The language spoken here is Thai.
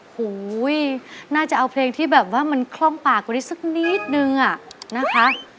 โอ้โหน่าจะเอาเพลงที่แบบว่ามันคล่องปากกว่านี้สักนิดนึงอะนะคะ